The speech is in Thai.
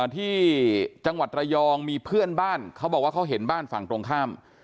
ที่จังหวัดระยองมีเพื่อนบ้านเขาบอกว่าเขาเห็นบ้านฝั่งตรงข้าม